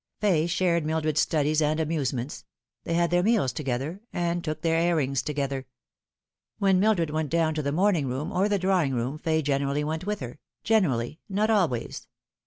Fay shared Mildred's studies and amusements ; they had their meals together, and took their airings together. When Mildred went down to the morning room or the draw ing room Fay generally went with her generally, not always.